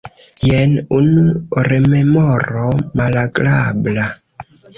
Jen unu rememoro malagrabla.